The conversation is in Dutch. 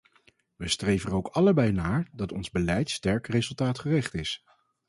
We streven er ook allebei naar dat ons beleid sterk resultaatgericht is.